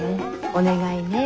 お願いね。